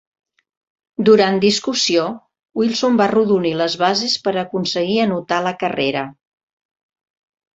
Durant discussió, Wilson va arrodonir les bases per aconseguir anotar la carrera.